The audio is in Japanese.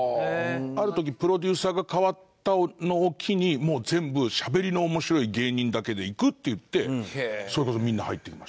ある時プロデューサーが代わったのを機にもう全部しゃべりの面白い芸人だけでいくっていってそれこそみんな入ってきましたね。